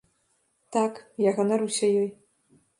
Так, я ганаруся ёй.